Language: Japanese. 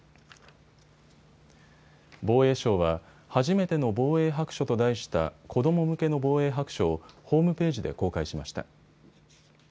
防衛省は、はじめての防衛白書と題した子ども向けの防衛白書をホームページで公開しました。